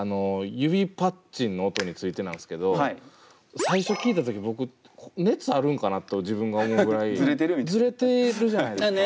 指パッチンの音についてなんですけど最初聴いた時僕熱あるんかなと自分が思うぐらいズレているじゃないですか。